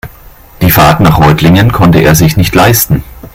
Die Fahrt nach Reutlingen konnte er sich nicht leisten